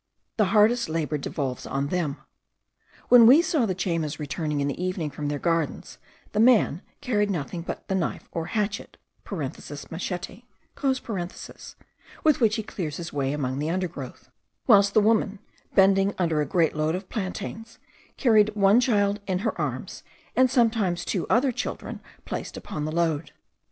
The hardest labour devolves on them. When we saw the Chaymas return in the evening from their gardens, the man carried nothing but the knife or hatchet (machete), with which he clears his way among the underwood; whilst the woman, bending under a great load of plantains, carried one child in her arms, and sometimes two other children placed upon the load.